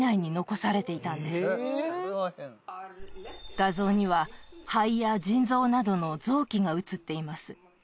画像には肺や腎臓などの臓器が映っています。